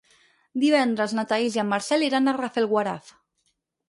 Divendres na Thaís i en Marcel iran a Rafelguaraf.